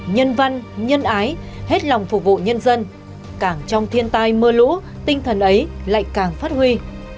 nhân văn nhân ái hết lòng phục vụ nhân dân càng trong thiên tai mưa lũ tinh thần ấy lại càng phát huy